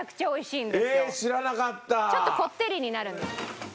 ちょっとこってりになるんです。